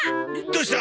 どうした？